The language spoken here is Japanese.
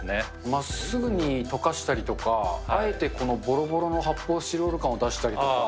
まっすぐに溶かしたりとか、あえてこのぼろぼろの発泡スチロール感を出したりとか。